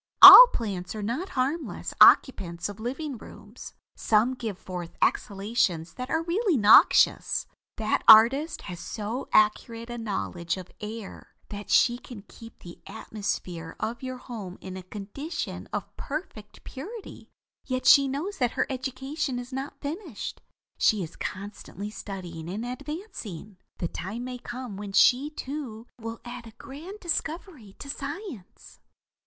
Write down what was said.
All plants are not harmless occupants of livingrooms. Some give forth exhalations that are really noxious. That artist has so accurate a knowledge of air that she can keep the atmosphere of your home in a condition of perfect purity; yet she knows that her education is not finished. She is constantly studying and advancing. The time may come when she, too, will add a grand discovery to science.